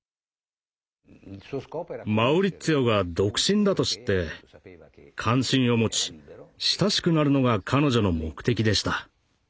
マウリッツィオが独身だと知って関心を持ち親しくなるのが彼女の目的でした。